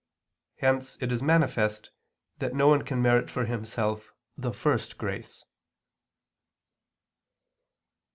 Hence it is manifest that no one can merit for himself the first grace.